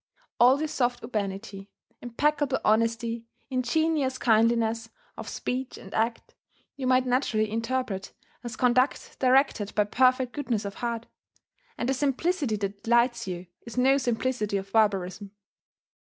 All this soft urbanity, impeccable honesty, ingenuous kindliness of speech and act, you might naturally interpret as conduct directed by perfect goodness of heart. And the simplicity that delights you is no simplicity of barbarism.